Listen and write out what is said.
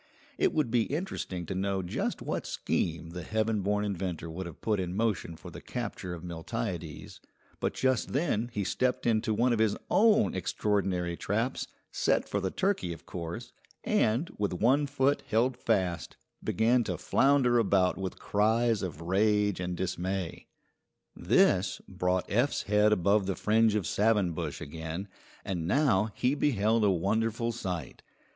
It would be interesting to know just what scheme the heaven born inventor would have put in motion for the capture of Miltiades, but just then he stepped into one of his own extraordinary traps, set for the turkey of course, and, with one foot held fast, began to flounder about with cries of rage and dismay. This brought Eph's head above the fringe of savin bush again, and now he beheld a wonderful sight.